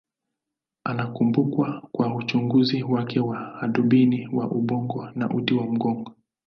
Anakumbukwa kwa uchunguzi wake wa hadubini wa ubongo na uti wa mgongo.